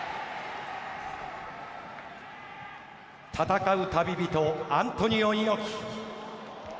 戦う旅人、アントニオ猪木。